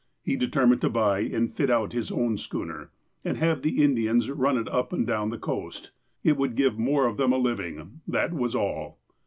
He determined to buy and fit out his own schooner, and have the Indians run it up and down the coast. It would give more of them a living. That was all.